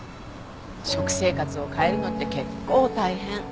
食生活を変えるのって結構大変。